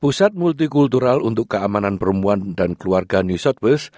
pusat multikultural untuk keamanan perempuan dan keluarga new southeast